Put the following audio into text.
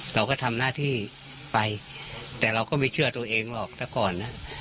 เราก็ทำหน้าที่ไปแต่เราก็ไม่เชื่อตัวเองหรอกแต่ก่อนนะ